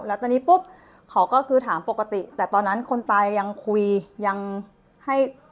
แล้วตอนนี้ปุ๊บเขาก็คือถามปกติแต่ตอนนั้นคนตายยังคุยยังให้